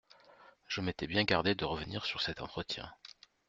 Je m'étais bien gardé de revenir sur cet entretien.